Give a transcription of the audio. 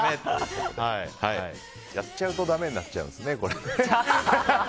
やっちゃうとだめになっちゃうんですね、これ。